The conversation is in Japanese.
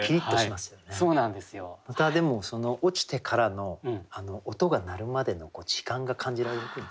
またでもその落ちてからの音が鳴るまでの時間が感じられる句になってますよね。